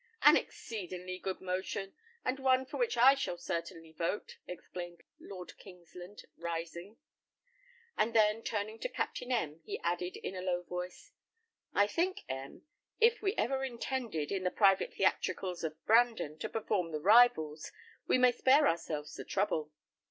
"An exceedingly good motion, and one for which I shall certainly vote!" exclaimed Lord Kingsland, rising. And then, turning to Captain M , he added, in a low voice, "I think, M , if we ever intended, in the private theatricals of Brandon, to perform the Rivals, we may spare ourselves the trouble!"